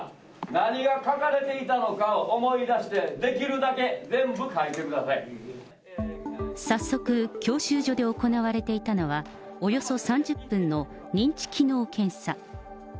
何が描かれているのかを思い出して、できるだけ全部書いてくださ早速、教習所で行われていたのは、およそ３０分の認知機能検査。